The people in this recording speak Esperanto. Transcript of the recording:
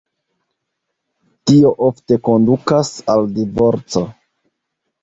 Tio ofte kondukas al divorco.